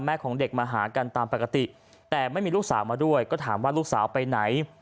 ของเด็กมาหากันตามปกติแต่ไม่มีลูกสาวมาด้วยก็ถามว่าลูกสาวไปไหน